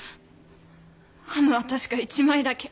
ハムは確か１枚だけ。